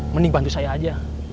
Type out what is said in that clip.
mending bantu saya aja